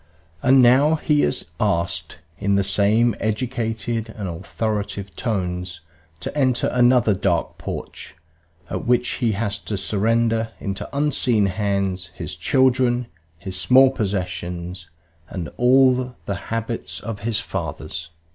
And now he is asked, in the same educated and authoritative tones, to enter another dark porch, at which he has to surrender, into unseen hands, his children, his small possessions and all the habits of his fathers.